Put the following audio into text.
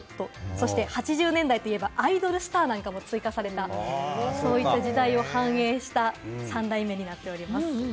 そして８０年代といえばアイドルスターなども追加されたといった時代を反映した３代目になっております。